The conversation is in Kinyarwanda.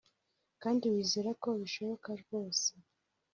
kandi wizere ko bishoboka rwose